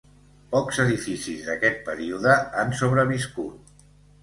Pocs edificis d'aquest període han sobreviscut.